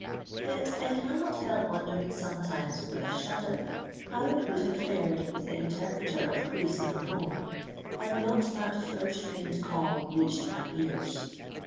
Yet I cannot help wondering sometimes with a shudder how it would have fared with the interpreter of Greece and Rome had not that first faint call reached my ears.